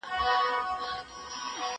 قلمان د زده کوونکي له خوا پاکيږي،